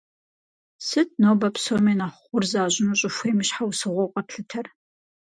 Сыт нобэ псоми нэхъ гъур защӏыну щӏыхуейм и щхьэусыгъуэу къэплъытэр?